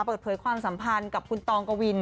เปิดเผยความสัมพันธ์กับคุณตองกวิน